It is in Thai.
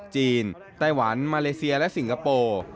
ไต้หวันมาเลเซียและสิงคโปร์